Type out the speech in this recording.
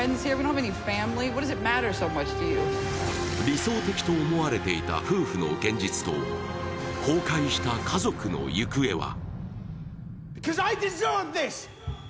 理想的と思われていた夫婦の現実と崩壊した家族の行方は？